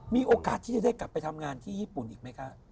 มีโอกาสที่จะได้กลับไปทำงานที่ญี่ปุ่นอีกไหมคะ